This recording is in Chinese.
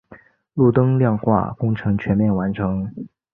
路灯亮化工程全面完成。